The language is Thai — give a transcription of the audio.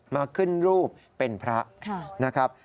มาขึ้นรูปเป็นพระนะครับ